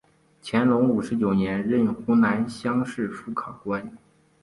乾隆五十九年任湖南乡试副考官。